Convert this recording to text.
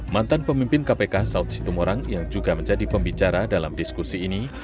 mantan pemimpin kpk saud situmorang yang juga menjadi pembicara dalam diskusi ini